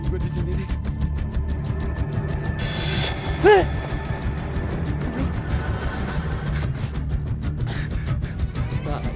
pokoknya coba ini gue disini nih